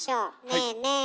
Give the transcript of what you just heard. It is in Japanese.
ねえねえ